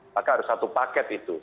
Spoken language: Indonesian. maka harus satu paket itu